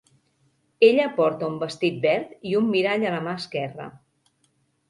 Ella porta un vestit verd i un mirall a la mà esquerra.